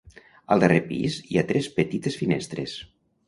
Al darrer pis hi ha tres petites finestres.